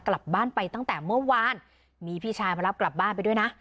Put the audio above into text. กลับบ้านไปตั้งแต่เมื่อวานมีพี่ชายมารับกลับบ้านไปด้วยนะ